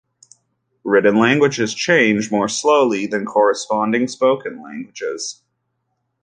Written languages change more slowly than corresponding spoken languages.